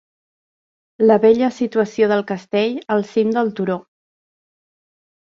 La bella situació del castell, al cim del turó.